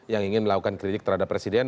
yang ingin melakukan kritik terhadap presiden